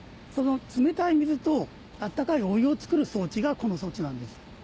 その冷たい水と温かいお湯を作る装置がこの装置なんです。